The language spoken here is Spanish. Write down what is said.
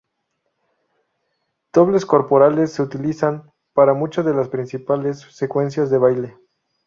Dobles corporales se utilizan para muchas de las principales secuencias de baile.